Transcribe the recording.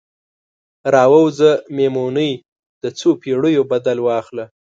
راووځه میمونۍ، د څوپیړیو بدل واخله